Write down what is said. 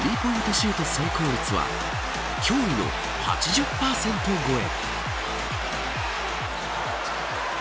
シュート成功率は驚異の８０％超え。